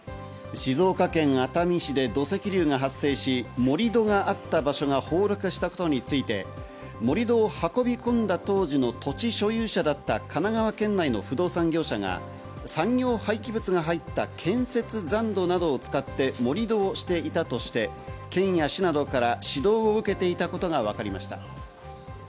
静岡県熱海市で土石流が発生し、盛り土があった場所が崩落したことについて、盛り土を運び込んだ当時の土地所有者だった神奈川県内の不動産業者が産業廃棄物が入った建設残土などを使って盛り土をしていたとして、県や市などから指導を受けていたことがわかりました。